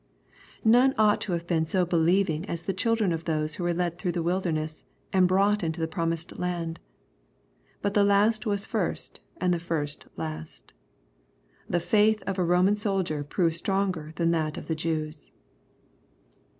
None ought to have been so believing as the children of those who were led through the wil derness, and brought into the promised land. But the last was first and the first last. The faith of a Roman soldier proved stronger than that of the Jews.